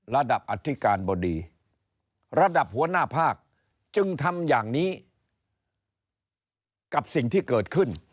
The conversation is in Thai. อธิการบดีระดับหัวหน้าภาคจึงทำอย่างนี้กับสิ่งที่เกิดขึ้น